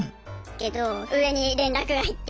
けど上に連絡が行って。